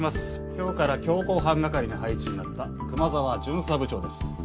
今日から強行犯係に配置になった熊沢巡査部長です。